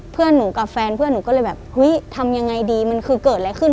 เพื่อนหนูกับแฟนเพื่อนหนูก็เลยแบบเฮ้ยทำยังไงดีมันคือเกิดอะไรขึ้น